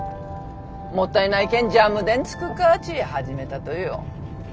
もったいないけんジャムでん作っかっち始めたとよ。